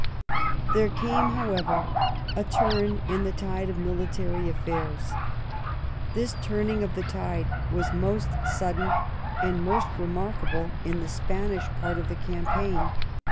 There came, however, a turn in the tide of military a£Pairs. This turning of the tide was most sudden and 254 BAMILLIES AND ALMANZA most remarkable in the Spanish part of the campaign.